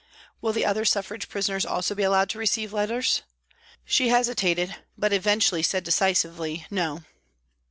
" Will the other Suffrage prisoners also be allowed to receive letters ?" She hesitated, but eventually said decisively, " No."